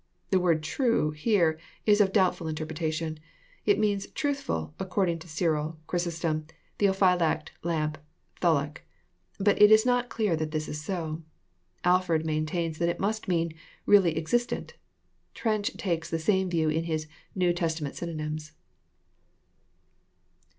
The word "true, here, is of doubtftil interpretation. It means " truthftil," according to Cyril, Chrysostom, Theophy lact, Larape, Tholuck. But it is not clear that this is so. Alford maintains that it must mean " really existent.*' Trench takes the same view in his " New Testament Synonyms.